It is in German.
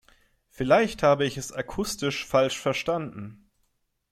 Vielleicht habe ich es akustisch falsch verstanden.